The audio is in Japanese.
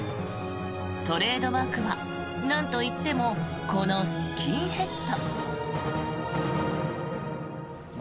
トレードマークはなんといってもこのスキンヘッド。